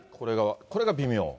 これが微妙。